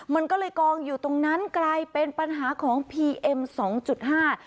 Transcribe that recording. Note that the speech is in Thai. มันก็เลยกองอยู่ตรงนั้นกลายเป็นปัญหาของพีเอ็มสองจุดห้า